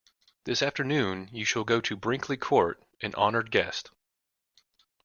This afternoon you shall go to Brinkley Court, an honoured guest.